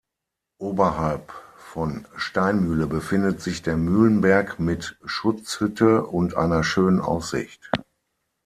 Oberhalb von Steinmühle befindet sich der Mühlenberg mit Schutzhütte und einer schönen Aussicht.